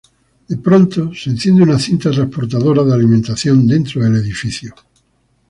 De pronto se enciende una cinta transportadora de alimentación dentro del edificio.